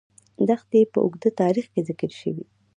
دښتې په اوږده تاریخ کې ذکر شوې.